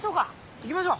行きましょう！